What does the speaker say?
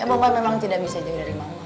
apa apa memang tidak bisa jagain mama